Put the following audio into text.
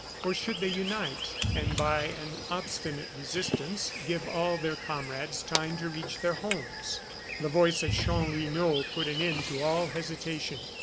or should they unite, and by an obstinate resistance, give all their comrades time to reach their homes? The voice of Chanlouineau put an end to all hesitation.